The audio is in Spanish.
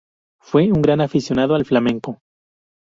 Fue un gran aficionado al flamenco.